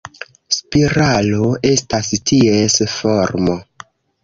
Spiralo estas ties formo.